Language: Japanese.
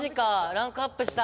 ランクアップした。